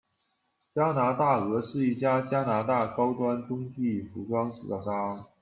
加拿大鹅是一家加拿大高端冬季服装制造商。